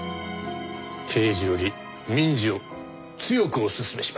刑事より民事を強くおすすめします。